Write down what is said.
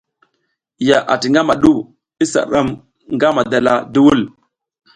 Ya ati ngama du isa ram nga madala duwul.